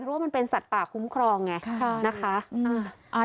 เพราะว่ามันเป็นสัตว์ป่าคุ้มครองไงนะคะ